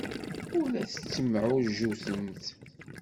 Ur la tettemɛujjutemt.